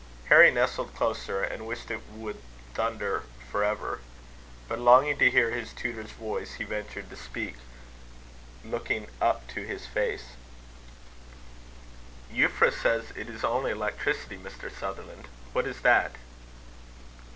Harry nestled closer, and wished it would thunder for ever. But longing to hear his tutor's voice, he ventured to speak, looking up to his face: "Euphra says it is only electricity, Mr. Sutherland. What is that?"